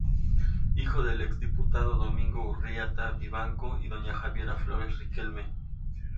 Hijo del ex diputado Domingo Urrutia Vivanco y doña "Javiera Flores Riquelme".